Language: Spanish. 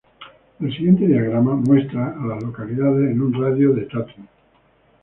El siguiente diagrama muestra a las localidades en un radio de de Tatum.